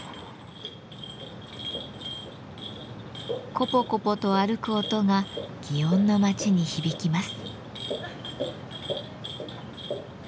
コポコポと歩く音が園の街に響きます。